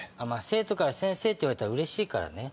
生徒から先生って言われたらうれしいからね。